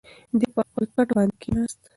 دی پر خپل کټ باندې کښېناست.